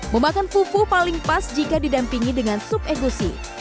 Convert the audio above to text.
memakan fufu paling pas jika didampingi dengan sup egusi